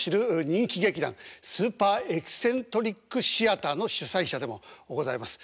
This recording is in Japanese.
人気劇団スーパー・エキセントリック・シアターの主宰者でもございます